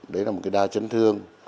đấy là một đa trấn thương